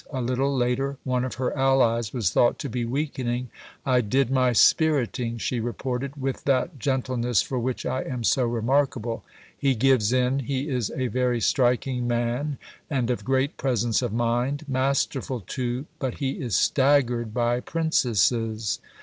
A little later, one of her allies was thought to be weakening. "I did my 'spiriting,'" she reported, "with that gentleness for which I am so remarkable! He gives in. He is a very striking man, and of great presence of mind; masterful too, but he is staggered by Princesses."